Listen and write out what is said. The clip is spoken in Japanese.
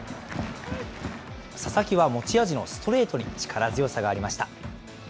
佐々木は持ち味のストレートに力強さがありました。